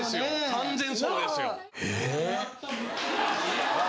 完全にそうですようわ